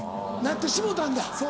なってしもうたんだ。